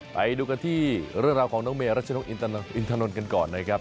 ไปดูกันที่เรื่องราวของน้องเมรัชนกอินทนนท์กันก่อนนะครับ